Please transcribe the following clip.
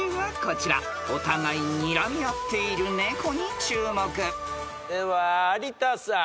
［お互いにらみ合っている猫に注目］では有田さん。